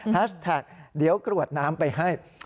แท็กเดี๋ยวกรวดน้ำไปให้